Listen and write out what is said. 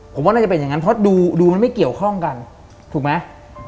ผมว่าน่าจะเป็นอย่างนั้นเพราะดูมันไม่เกี่ยวข้องกันถูกไหม